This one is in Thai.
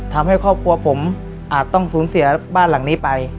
ทำให้ครอบครัวผมอาจต้องสูญเสียบ้านหลังนี้ไป